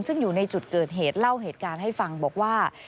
ซึ่งอยู่ในจุดเกิดเหตุเล่าเหตุการณ์ให้ฟังบอกว่า